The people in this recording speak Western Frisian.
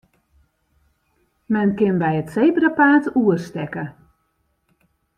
Men kin by it sebrapaad oerstekke.